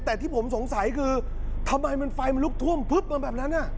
แต่ที่ผมสงสัยคือทำไมมันไฟมันลุกท่วมพึบมาแบบนั้น